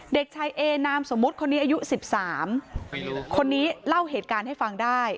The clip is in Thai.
เด็กชายเอนามสมมุติคนนี้อายุ๑๓คนนี้เล่าเหตุการณ์ให้ฟังได้